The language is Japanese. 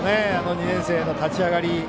２年生の立ち上がり。